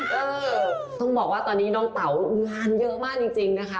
เออต้องบอกว่าตอนนี้น้องเต๋างานเยอะมากจริงนะคะ